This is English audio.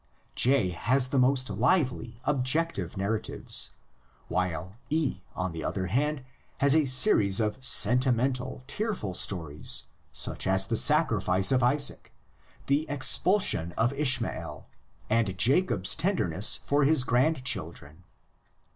J has the most lively, objective narratives, while E, on the other hand, has a series of sentimental, tear ful stories, such as the sacrifice of Isaac, the expul sion of Ishmael, and Jacob's tenderness for his grandchildren.